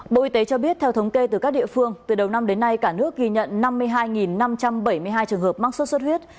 bộ y tế cho biết theo thống kê từ các địa phương từ đầu năm đến nay cả nước ghi nhận năm mươi hai năm trăm bảy mươi hai trường hợp mắc sốt xuất huyết